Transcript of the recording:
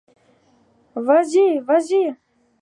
Vas-y, vas-y !